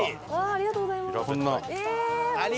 ありがとうございます。